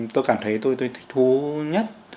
tôi cảm thấy tôi thích thú nhất